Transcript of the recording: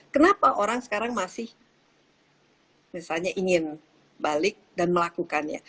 kenapa orang sekarang masih misalnya ingin balik dan melakukannya